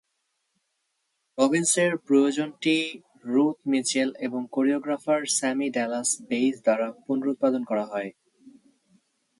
রবিন্সের প্রযোজনাটি Ruth Mitchell এবং choreographer Sammy Dallas Bayes দ্বারা পুনরুৎপাদন করা হয়।